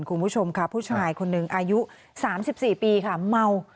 คุณผู้ชมค่ะผู้ชายคนหนึ่งอายุ๓๔ปีค่ะเมา